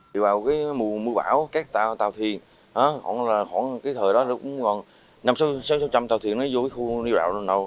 đi vào mùa bão các tàu thiền khoảng thời đó cũng còn năm sáu trăm tàu thiền nó vô khu neo đậu